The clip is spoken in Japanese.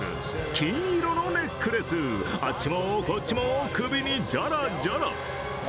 金色のネックレス、あっちもこっちも首にジャラジャラ。